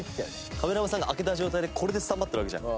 カメラマンさんが開けた状態でこれでスタンバってるわけじゃん。